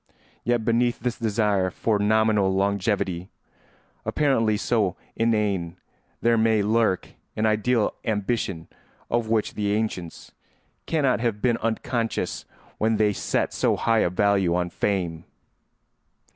Yet, beneath this desire for nominal longevity, apparently so inane, there may lurk an ideal ambition of which the ancients cannot have been unconscious when they set so high a value on fame.